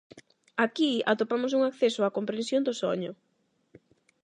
Aquí atopamos un acceso á comprensión do soño.